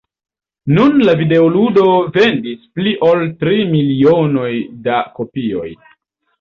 Nune la videoludo vendis pli ol tri milionoj da kopioj.